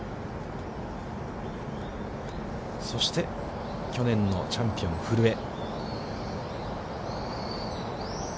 そして、去年のチャンピオン、古江。